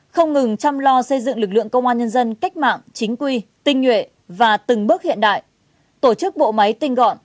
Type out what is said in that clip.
không ngừng chăm lo xây dựng lực lượng công an nhân dân cách mạng chính quy tinh nhuệ và từng bước hiện đại tổ chức bộ máy tinh gọn